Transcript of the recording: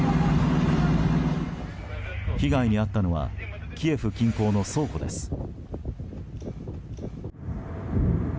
被害に遭ったのはキエフ近郊の倉庫です。